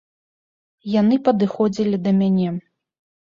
Яны падыходзілі да мяне.